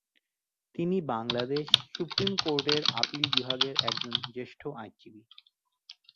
তিনি বাংলাদেশ সুপ্রীম কোর্টের আপিল বিভাগের একজন জ্যেষ্ঠ আইনজীবী।